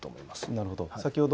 なるほど。